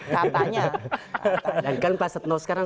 katanya dan kan paset sekarang